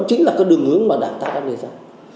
đó chính là cái đường hướng mà đảng ta đang đề ra